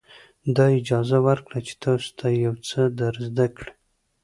دا اجازه ورکړئ چې تاسو ته یو څه در زده کړي.